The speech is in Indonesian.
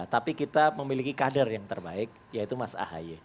tapi kita memiliki kader yang terbaik yaitu mas ahy